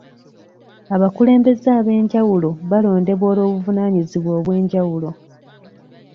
Abakulembeze ab'enjawulo balondebwa olw'obuvunaanyizibwa obw'enjawulo.